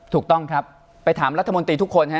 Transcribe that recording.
ถูกต้องครับไปถามรัฐมนตรีทุกคนฮะ